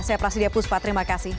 saya prasidya puspa terima kasih